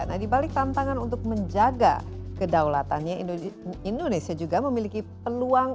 nah dibalik tantangan untuk menjaga kedaulatannya indonesia juga memiliki peluang